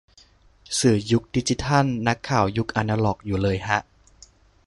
สื่อยุคดิจิทัล นักข่าวยุคอนาล็อกอยู่เลยฮะ